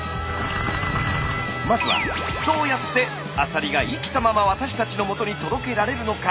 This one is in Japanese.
まずはどうやってアサリが生きたまま私たちのもとに届けられるのか？